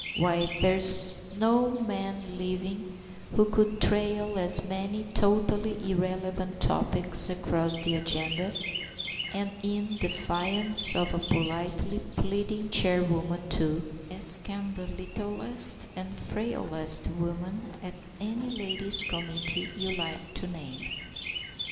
Why, there's no man living who could trail as many totally irrelevant topics across the agenda, and in defiance of a politely pleading chairwoman too, as can the littlest and frailest woman at any ladies' committee you like to name.